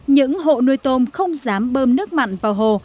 những hộ nuôi tôm không dám bơm nước mặn vào hồ